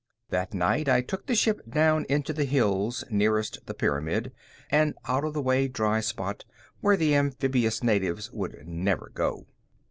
That night I took the ship down into the hills nearest the pyramid, an out of the way dry spot where the amphibious natives would never go.